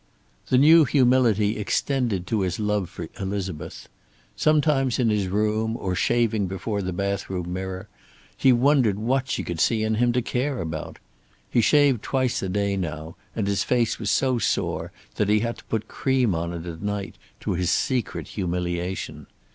The new humility extended to his love for Elizabeth. Sometimes, in his room or shaving before the bathroom mirror, he wondered what she could see in him to care about. He shaved twice a day now, and his face was so sore that he had to put cream on it at night, to his secret humiliation.